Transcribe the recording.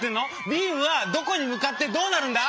ビームはどこにむかってどうなるんだ？